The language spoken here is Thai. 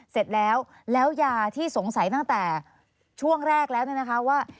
เสร็จแล้วแล้วยาที่สงสัยตั้งแต่ช่วงแรกแล้วเนี่ยนะคะว่า